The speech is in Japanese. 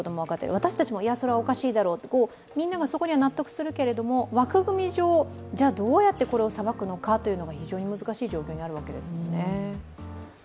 私たちも、いやそこはおかしいだろう、みんながそこには納得するけれども、枠組み上、じゃあどうやってこれを裁くのかというのが非常に難しい状況ですね。